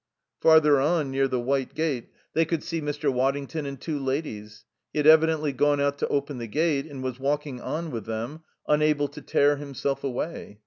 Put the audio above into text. Farther on, near the white gate, they could see Mr. Waddington and two ladies. He had evidently gone out to open the gate, and was walking on with them, unable to tear himself away.